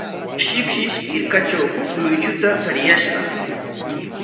Shipshish hirkatraw huk luychuta chariyashqa.